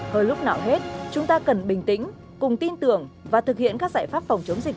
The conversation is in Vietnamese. hơn lúc nào hết chúng ta cần bình tĩnh cùng tin tưởng và thực hiện các giải pháp phòng chống dịch